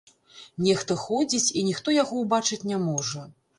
Нехта ходзіць, і ніхто яго ўбачыць не можа.